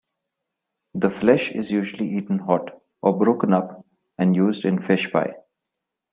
The flesh is usually eaten hot, or broken up and used in fish pie.